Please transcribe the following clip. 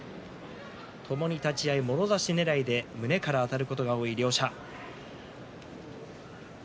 ともに立ち合いもろ差しねらいで胸からあたることが多い両者。